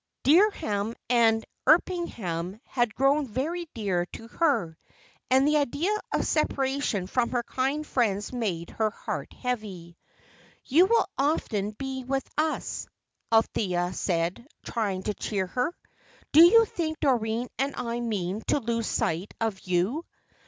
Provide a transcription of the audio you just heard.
Dereham and Erpingham had grown very dear to her, and the idea of separation from her kind friends made her heart heavy. "You will often be with us," Althea said, trying to cheer her. "Do you think Doreen and I mean to lose sight of you?